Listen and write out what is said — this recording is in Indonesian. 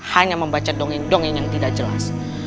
hanya membaca dongeng dongeng yang tidak jelas